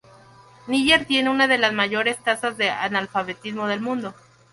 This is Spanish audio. Níger tiene una de las mayores tasas de analfabetismo del mundo.